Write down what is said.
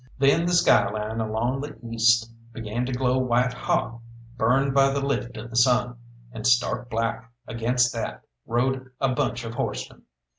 Then the skyline along the east began to glow white hot, burned by the lift of the sun; and stark black against that rode a bunch of horsemen.